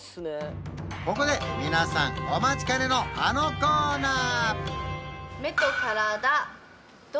ここで皆さんお待ちかねのあのコーナー！